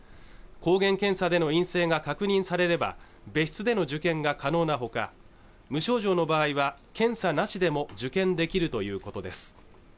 抗原検査での陰性が確認されれば別室での受験が可能なほか無症状の場合は検査なしでも受験できるということです